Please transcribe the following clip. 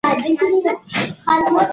ما ته داسې په ځير سره مه ګوره، ځکه شرمېږم.